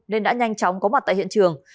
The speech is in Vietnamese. nên đã nhanh chóng có mặt tại hiện trường